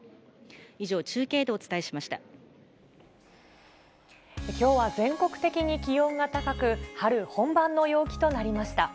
以上、きょうは全国的に気温が高く、春本番の陽気となりました。